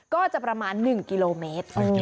ก็จะประมาณ๑กิโลเมตร